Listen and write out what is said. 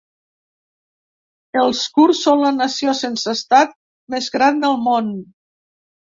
Els kurds són la nació sense estat més gran del món.